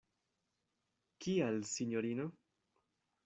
Kial, sinjorino?